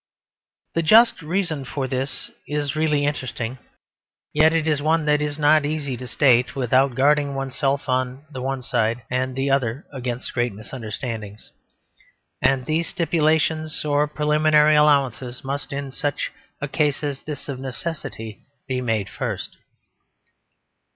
The just reason for this is really interesting. Yet it is one that is not easy to state without guarding one's self on the one side or the other against great misunderstandings; and these stipulations or preliminary allowances must in such a case as this of necessity be made first.